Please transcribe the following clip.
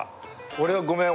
俺はごめん。